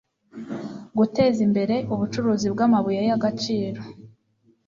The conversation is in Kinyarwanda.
guteza imbere ubucukuzi bw'amabuye y'agaciro